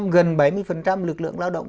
gần bảy mươi lực lượng lao động